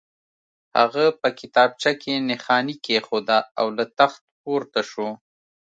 هغه په کتابچه کې نښاني کېښوده او له تخت پورته شو